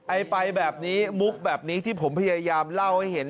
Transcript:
ไปแบบนี้มุกแบบนี้ที่ผมพยายามเล่าให้เห็น